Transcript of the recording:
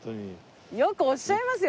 よくおっしゃいますよ。